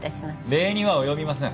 礼には及びません。